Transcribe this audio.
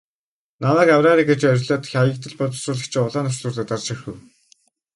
Намайг авраарай гэж орилоод Хаягдал боловсруулагчийн улаан товчлуур дээр дарж орхив.